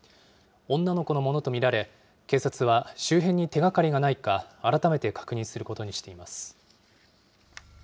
女の子のものと見られ、警察は周辺に手がかりがないか、改めて確認することにしています。